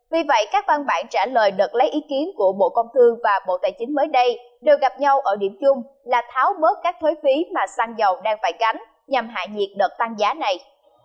vì vậy các văn bản trả lời đợt lấy ý kiến của bộ công thương và bộ tài chính mới đây đều gặp nhau ở điểm chung là tháo bớt các thuế phí mà xăng dầu đang phải cánh nhằm hạ nhiệt đợt tăng giá này